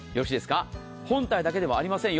本体だけではありません。